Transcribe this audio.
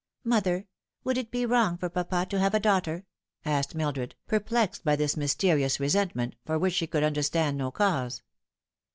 " Mother, would it be wrong for papa to have a daughter ?" asked Mildred, perplexed by this mysterious resentment, for which she could understand no cause.